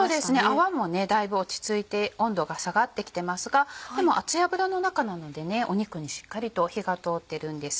泡もだいぶ落ち着いて温度が下がってきてますがでも熱い油の中なので肉にしっかりと火が通ってるんです。